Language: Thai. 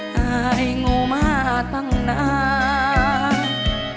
หายงูมาตั้งนาน